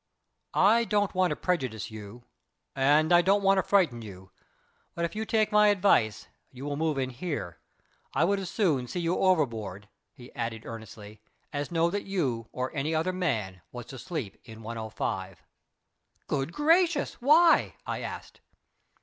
I don't want to prejudice you, and I don't want to frighten you, but if you will take my advice you will move in here. I would as soon see you overboard," he added earnestly, "as know that you or any other man was to sleep in 105." "Good gracious! Why?" I asked.